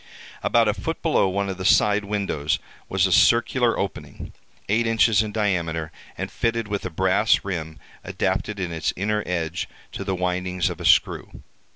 "About a foot below one of the side windows was a circular opening, eight inches in diameter, and fitted with a brass rim adapted in its inner edge to the windings of a screw.